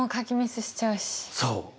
そう。